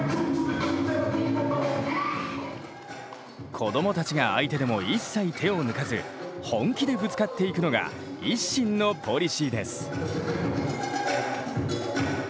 子どもたちが相手でも一切手を抜かず本気でぶつかっていくのがＩＳＳＩＮのポリシーです。